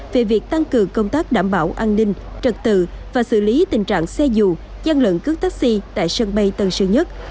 về việc tăng cường công tác đảm bảo an ninh trật tự và xử lý tình trạng xe dù gian lận cướp taxi tại sân bay tân sơn nhất